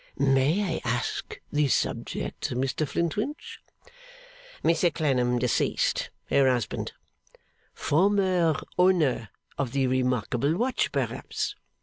'May I ask the subject, Mr Flintwinch?' 'Mr Clennam, deceased. Her husband.' 'Former owner of the remarkable watch, perhaps?